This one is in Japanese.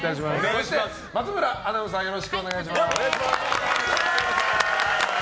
そして、松村アナウンサーよろしくお願いします。